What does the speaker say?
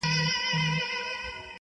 • چي د کم موږک په نس کي مي غمی دی,